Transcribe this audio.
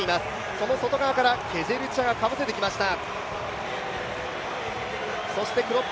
その外側からケジェルチャがかぶせてきました。